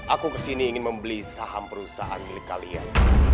aku kesini ingin membeli saham perusahaan milik kalian